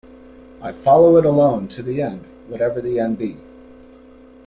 I follow it alone to the end, whatever the end be.